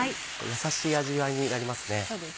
やさしい味わいになりますね。